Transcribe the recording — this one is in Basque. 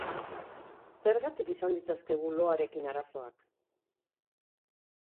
Zergatik izan ditzazkegu loarekin arazoak?